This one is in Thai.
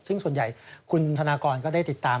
ซึ่งส่วนใหญ่คุณธนากรก็ได้ติดตาม